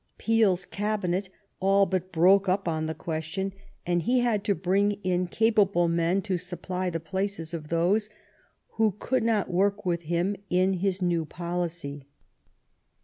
Peel's Cabinet all but broke up on the question, and he had to bring THE STORY OF GLADSTONES LIFE in capable men to supply the places of those who could not work with him in his new policy.